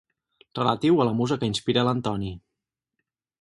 Relatiu a la musa que inspira l'Antoni.